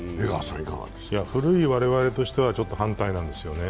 古い我々としては反対なんですよね。